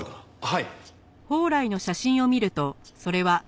はい。